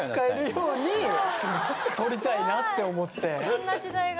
そんな時代が！